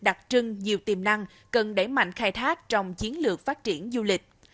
đặc trưng nhiều tiềm năng cần đẩy mạnh khai thác trong chương trình du lịch